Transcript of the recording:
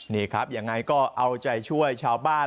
นี่ครับยังไงก็เอาใจช่วยชาวบ้าน